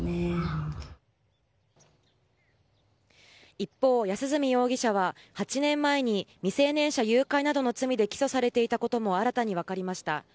一方、安栖容疑者は８年前に未成年者誘拐などの罪で起訴されていたことも新たに分かりました。